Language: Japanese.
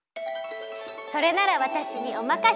それならわたしにおまかシェル！